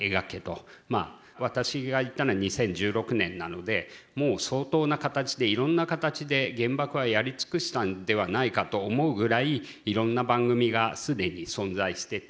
私が行ったのは２０１６年なのでもう相当な形でいろんな形で原爆はやり尽くしたんではないかと思うぐらいいろんな番組が既に存在してて。